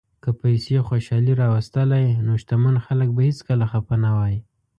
که پیسې خوشالي راوستلی، نو شتمن خلک به هیڅکله خپه نه وای.